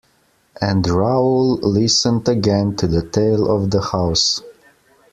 And Raoul listened again to the tale of the house.